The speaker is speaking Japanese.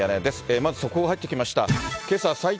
まず速報が入ってきました。